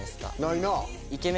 ないな。